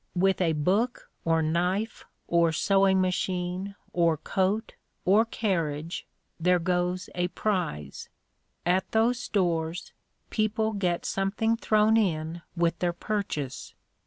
With a book, or knife, or sewing machine, or coat, or carriage there goes a prize. At those stores people get something thrown in with their purchase.